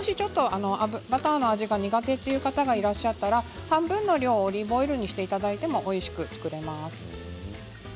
バターの味が苦手という方がいたら、半分の量をオリーブオイルにしていただいてもおいしく作れます。